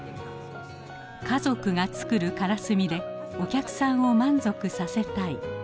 家族が作るからすみでお客さんを満足させたい。